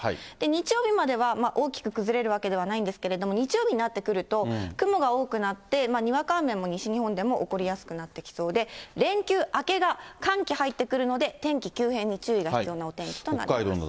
日曜日までは大きく崩れるわけではないんですけれども、日曜日になってくると、雲が多くなって、にわか雨も西日本でも起こりやすくなってきそうで、連休明けが、寒気入ってくるので、天気、急変に注意が必要なお天気になってきます。